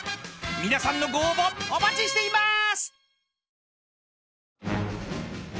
［皆さんのご応募お待ちしています！］